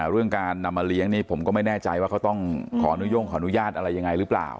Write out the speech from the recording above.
เรื่องการนำมาเลี้ยงนี่ผมก็ไม่แน่ใจว่าเขาต้องขออนุโย่งขออนุญาตอะไรยังไงหรือเปล่า